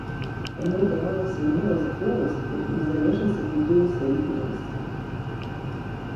Яму ўдавалася ўмела захоўваць незалежнасць ад уплыву сваіх міністраў.